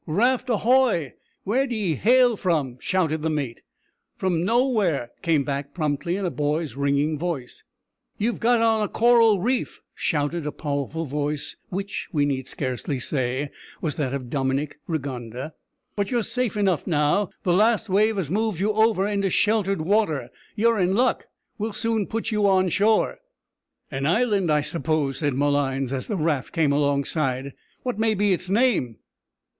"Raft a hoy! Where d'ee hail from?" shouted the mate. "From nowhere!" came back promptly in a boy's ringing voice. "You've got on a coral reef," shouted a powerful voice, which, we need scarcely say, was that of Dominick Rigonda, "but you're safe enough now. The last wave has shoved you over into sheltered water. You're in luck. We'll soon put you on shore." "An island, I suppose," said Malines, as the raft came alongside. "What may be its name?"